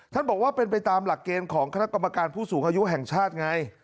บอกว่าเป็นไปตามหลักเกณฑ์ของคณะกรรมการผู้สูงอายุแห่งชาติไง